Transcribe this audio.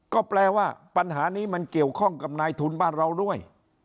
ก็แปลว่าปัญหานี้มันเกี่ยวข้องกับนายทุนบ้านเราด้วย